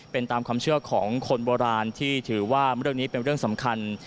เป็นตามความเชื่อของคนโบราณที่ถือว่าเรื่องนี้เป็นเรื่องสำคัญ